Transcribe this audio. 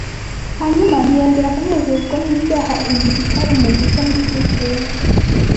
hanyuma ntiyongera kunezezwa n’ibyaha ahinduka icyaremwe gishya muri Kristo Yesu